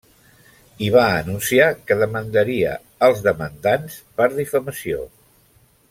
I va anunciar que demandaria els demandants per difamació.